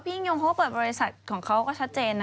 ยิ่งยงเขาก็เปิดบริษัทของเขาก็ชัดเจนนะ